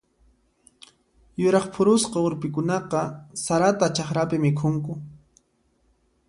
Yuraq phurusapa urpikunaqa sarata chakrapi mikhunku.